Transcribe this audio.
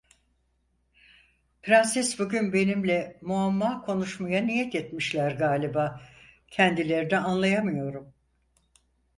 Prenses bugün benimle muamma konuşmaya niyet etmişler galiba, kendilerini anlayamıyorum.